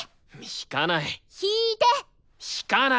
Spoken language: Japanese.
弾かない！